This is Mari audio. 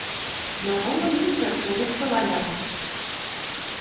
Но омо ӱскырт, огеш тол алят.